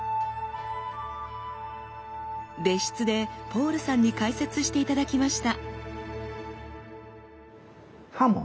別室でポールさんに解説して頂きました。